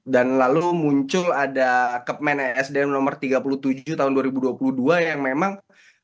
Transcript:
dan lalu muncul ada cup chloe rumor tiga puluh tujuh tahun dua ribu dua puluh dua yang memang